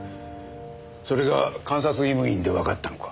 それが監察医務院でわかったのか。